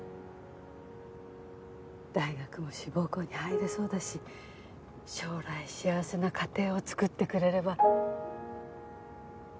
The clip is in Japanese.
大学も志望校に入れそうだし将来幸せな家庭を作ってくれれば。